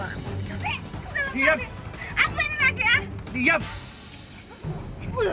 aku akan memberi semua kebanggaan